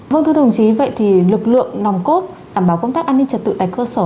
vâng thưa đồng chí vậy thì lực lượng nòng cốt đảm bảo công tác an ninh trật tự tại cơ sở